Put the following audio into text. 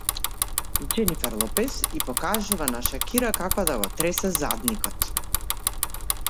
Џенифер Лопез и покажува на Шакира како да го тресе задникот